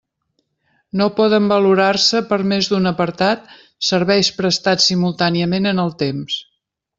No poden valorar-se per més d'un apartat serveis prestats simultàniament en el temps.